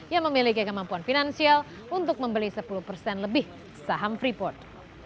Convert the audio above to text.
yang memiliki kemampuan finansial untuk membeli sepuluh persen lebih saham freeport